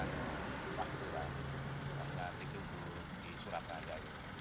karena tidak ditutup di suratnya